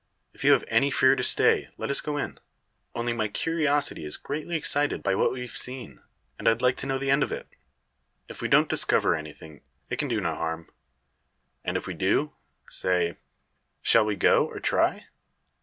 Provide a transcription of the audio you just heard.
If you have any fear to stay, let us go in. Only my curiosity is greatly excited by what we've seen, and I'd like to know the end of it. If we don't discover anything, it can do no harm. And if we do say; shall we go, or try?"